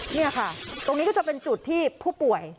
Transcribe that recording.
นี่ค่ะตรงนี้ก็จะเป็นจุดที่ผู้ป่วย